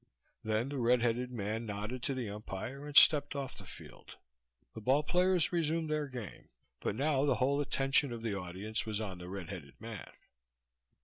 Then the red headed man nodded to the umpire and stepped off the field. The ballplayers resumed their game, but now the whole attention of the audience was on the red headed man.